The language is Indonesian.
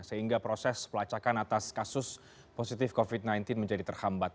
sehingga proses pelacakan atas kasus positif covid sembilan belas menjadi terhambat